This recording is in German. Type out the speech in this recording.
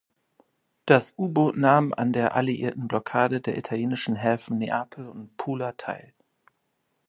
Das U-Boot nahm an der alliierten Blockade der italienischen Häfen Neapel und Pula teil.